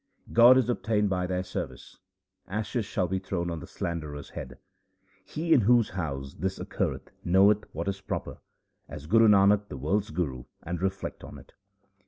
God is obtained by their service ; ashes shall be thrown on the slanderer's head. He in whose house this occurreth knoweth what is proper ; ask Guru Nanak the world's Guru, and reflect on it.